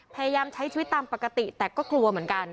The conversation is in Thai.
พยายามใช้ชีวิตตามปกติแต่ก็กลัวเหมือนกัน